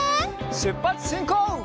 しゅっぱつしんこう！